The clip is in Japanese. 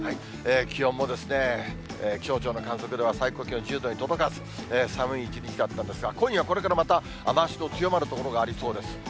気温も気象庁の観測では最高気温１０度に届かず、寒い一日だったんですが、今夜、これからまた雨足の強まる所がありそうです。